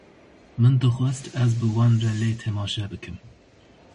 Min dixwest ez bi wan re lê temaşe bikim.